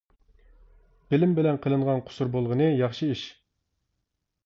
بىلىم بىلەن قىلىنغان قۇسۇر بولغىنى ياخشى ئىش.